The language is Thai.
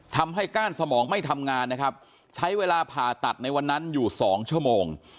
ก้านสมองไม่ทำงานนะครับใช้เวลาผ่าตัดในวันนั้นอยู่สองชั่วโมง